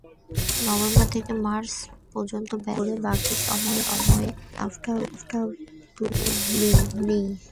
November থেকে March পর্যন্ত ব্যবসা করে বাকি সময়ের লাভটা তুলে নিই।